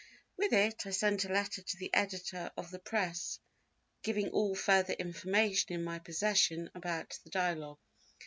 With it I sent a letter to the editor of the Press, giving all further information in my possession about the Dialogue.